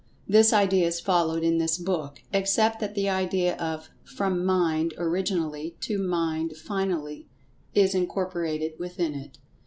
This idea is followed in this book, except that the idea of "From Mind originally, to Mind finally," is incorporated within it.